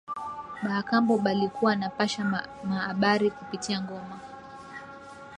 Ba kambo balikuwa napashana ma abari kupitia ngoma